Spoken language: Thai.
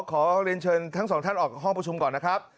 ขอเรียนเชิญทั้งสองท่านออกจากห้องประชุมก่อนนะครับ